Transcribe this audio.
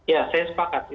ya saya sepakat